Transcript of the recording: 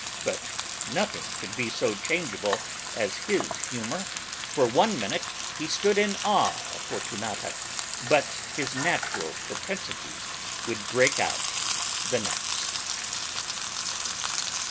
But nothing could be so changeable as his humor, for one minute he stood in awe of Fortunata, but his natural propensities would break out the next.